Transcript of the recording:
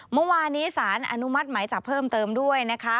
เมื่อวานี้สารอนุมัติหมายจับเพิ่มเติมด้วยนะคะ